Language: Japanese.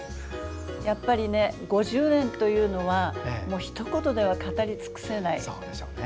やっぱり５０年というのはひと言では語りつくせない。